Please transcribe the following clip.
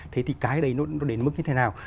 thế thì cái đấy nó đến mức như thế nào